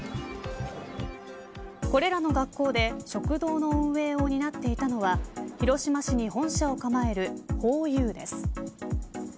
これらの学校で食堂の運営を担っていたのは広島市に本社を構えるＨＯＹＵです。